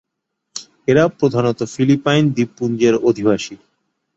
এরা প্রধানত ফিলিপাইন দ্বীপপুঞ্জের অধিবাসী।